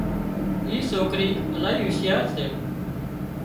اي سوڪري الاهي هُوشيار سي